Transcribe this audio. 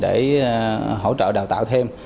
và hỗ trợ đào tạo thêm